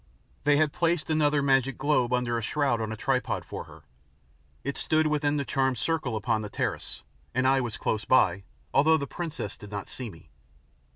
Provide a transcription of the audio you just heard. They had placed another magic globe under a shroud on a tripod for her. It stood within the charmed circle upon the terrace, and I was close by, although the princess did not see me.